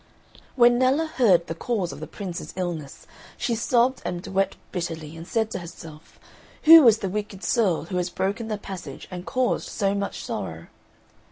When Nella heard the cause of the Prince's illness she sobbed and wept bitterly and said to herself, "Who is the wicked soul who has broken the passage and caused so much sorrow?"